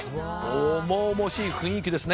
重々しい雰囲気ですね。